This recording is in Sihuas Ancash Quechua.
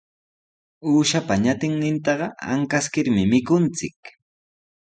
Uushapa ñatinnintaqa ankaskirmi mikunchik.